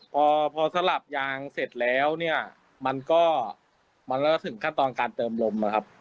พอสลับยางเสร็จแล้วมันก็ถึงขั้นตอนการเติมลม